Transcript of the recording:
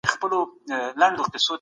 په ګرځېدو کې د ماشومانو غږ نه چپیږي.